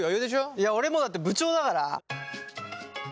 いや俺もうだって部長だから。